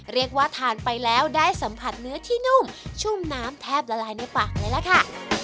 เรียกว่าทานไปแล้วได้สัมผัสเนื้อที่นุ่มชุ่มน้ำแทบละลายในปากเลยล่ะค่ะ